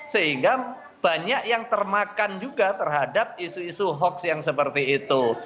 sehingga banyak yang termakan juga terhadap isu isu hoax yang seperti itu